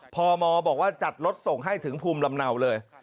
พมบอกว่าจัดรถส่งให้ถึงภูมิลำเนาเลย